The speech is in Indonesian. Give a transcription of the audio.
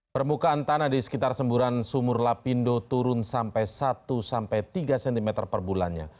permukaan tanah di sekitar semburan sumur lapindo turun sampai satu sampai tiga cm per bulannya